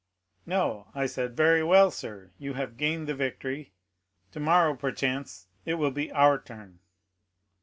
No, I said, 'Very well, sir, you have gained the victory; tomorrow, perchance, it will be our turn.